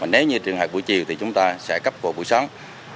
nếu như trường hợp buổi chiều thì chúng ta sẽ cấp vào buổi sáng